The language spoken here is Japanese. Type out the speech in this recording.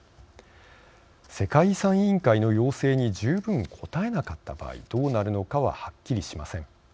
世界遺産委員会の要請に十分応えなかった場合どうなるのかははっきりしません。